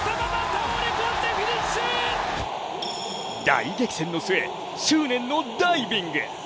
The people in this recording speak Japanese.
大激戦の末、執念のダイビング。